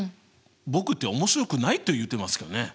僕って面白くないと言ってますかね？